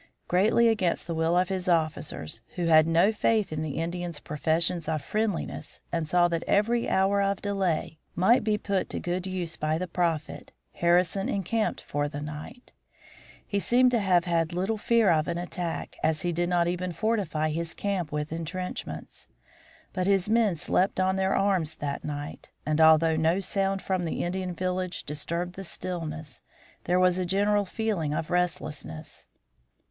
Greatly against the will of his officers, who had no faith in the Indians' professions of friendliness and saw that every hour of delay might be put to good use by the Prophet, Harrison encamped for the night. He seems to have had little fear of an attack, as he did not even fortify his camp with intrenchments. But his men slept on their arms that night, and, although no sound from the Indian village disturbed the stillness, there was a general feeling of restlessness.